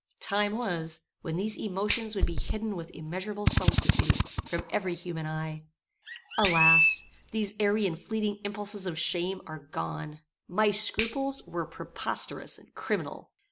Time was, when these emotions would be hidden with immeasurable solicitude, from every human eye. Alas! these airy and fleeting impulses of shame are gone. My scruples were preposterous and criminal.